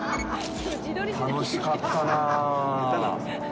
楽しかったなぁ。